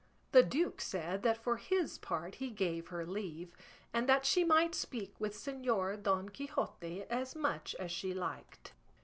The duke said that for his part he gave her leave, and that she might speak with Señor Don Quixote as much as she liked.